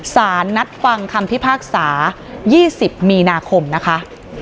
สารนัดฟังคำพิพากษา๒๐มีนาคมนะคะ